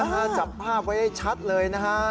เออจับภาพไว้ให้ชัดเลยนะครับ